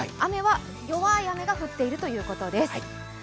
弱い雨が降っているということです。